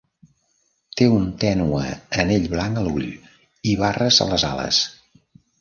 Té un tènue anell blanc a l'ull i barres a les ales.